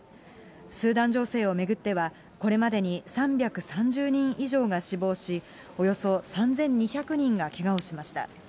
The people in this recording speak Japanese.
スーダン情勢を巡っては、これまでに３３０人以上が死亡し、およそ３２００人がけがをしました。